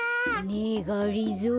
ねえがりぞー。